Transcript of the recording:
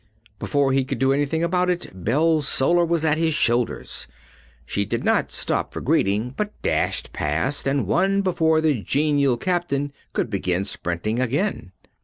Before he could do anything about it, Bellsolar was at his shoulders. She did not stop for greeting, but dashed past and won before the genial Captain could begin sprinting again.